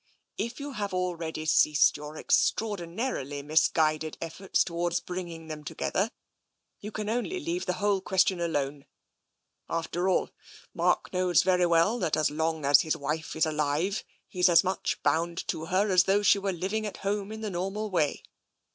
If you have already ceased your ex traordinarily misguided efforts towards bringing them together, you can only leave the whole question alone. After all, Mark knows very well that as long as his wife is alive he's as much bound to her as though she were living at home in the normal way.